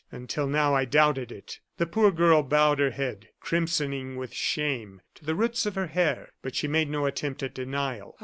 Until now I doubted it." The poor girl bowed her head, crimsoning with shame to the roots of her hair; but she made no attempt at denial.